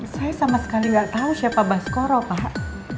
saya sama sekali nggak tahu siapa baskoro pak